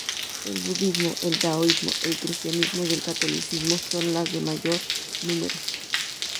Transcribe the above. El budismo, el taoísmo, el cristianismo y el catolicismo son las de mayor numero.